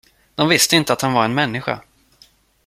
De visste inte att han var en människa.